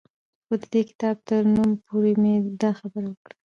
خو د دې کتاب تر نوم پورې مې دا خبره وکړه